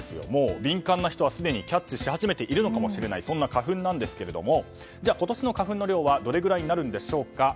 敏感な人はすでにキャッチをし始めているのかもしれないそんな花粉なんですが今年の花粉の量はどれぐらいになるんでしょうか。